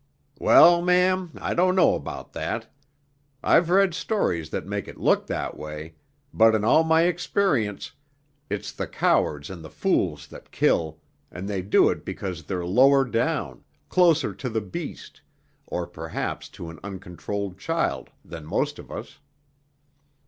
"Well, ma'am, I don't know about that. I've read stories that make it look that way, but in all my experience, it's the cowards and the fools that kill, and they do it because they're lower down, closer to the beast, or perhaps to an uncontrolled child, than most of us."